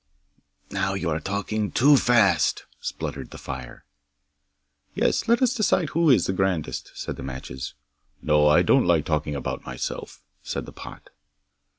'"Now you are talking too fast," spluttered the fire. '"Yes, let us decide who is the grandest!" said the matches. '"No, I don't like talking about myself," said the pot.